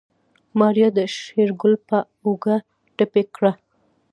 ماريا د شېرګل په اوږه ټپي کړه.